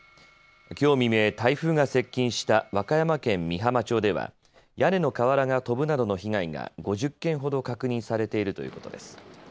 きょう未明、台風が接近した和歌山県美浜町では屋根の瓦が飛ぶなどの被害が５０軒ほど確認されているということです。